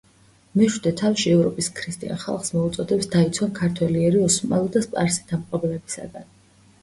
მეშვიდე თავში ევროპის ქრისტიან ხალხს მოუწოდებს დაიცვან ქართველი ერი ოსმალო და სპარსი დამპყრობლებისაგან.